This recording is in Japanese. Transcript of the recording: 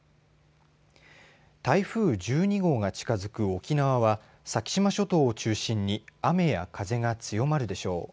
台風１２号が近づく沖縄は先島諸島を中心に雨や風が強まるでしょう。